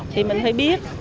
thì mình phải biết